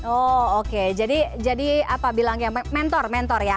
oh oke jadi apa bilangnya mentor mentor ya